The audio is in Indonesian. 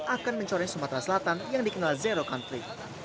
akan mencoreng sumatera selatan yang dikenal zero country